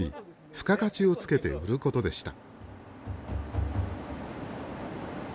付加価値をつけて売ることでした。